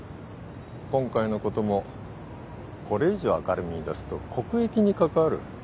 今回のこともこれ以上明るみに出すと国益に関わる。